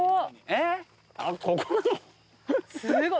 えっ！？